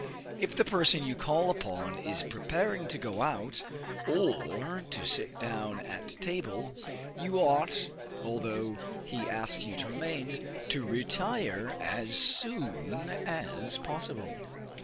If the person you call upon is preparing to go out, or to sit down at table, you ought, although he asks you to remain, to retire as soon as possible.